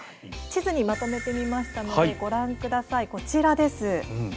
地図にまとめてみましたのでご覧ください、こちらです。